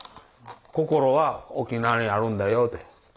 心は沖縄にあるんだよと。